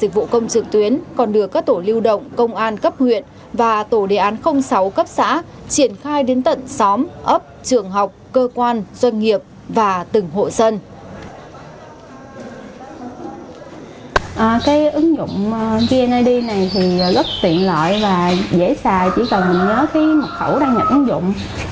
dịch vụ công trực tuyến còn đưa các tổ lưu động công an cấp huyện và tổ đề án sáu cấp xã triển khai đến tận xóm ấp trường học cơ quan doanh nghiệp và từng hộ dân